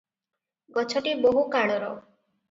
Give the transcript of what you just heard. ଗଛଟି ବହୁକାଳର ।